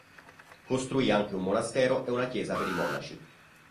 Costruì anche un monastero e una chiesa per i monaci.